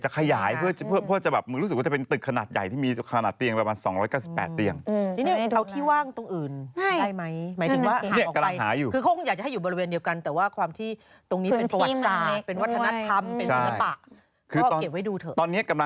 เขาจะลื้อไปทำตึกสูงใช่ไหมคะ